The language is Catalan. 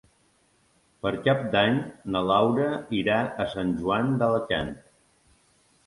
Per Cap d'Any na Laura irà a Sant Joan d'Alacant.